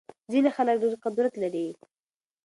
ځينې خلګ ډېر قدرت لري.